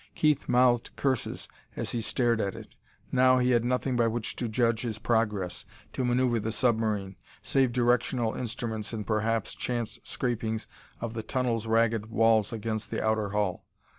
Keith mouthed curses as he stared at it; he now had nothing by which to judge his progress, to maneuver the submarine, save directional instruments and, perhaps, chance scrapings of the tunnel's ragged walls against the outer hull.